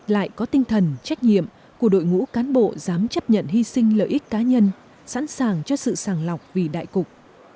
lại có tinh thần trách nhiệm của đội ngũ cán bộ dám chấp nhận hy sinh lợi ích cá nhân sẵn sàng cho sự sàng lọc vì đại cục